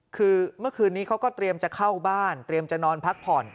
คือเมื่อคืนนี้เขาก็เตรียมจะเข้าบ้านเตรียมจะนอนพักผ่อน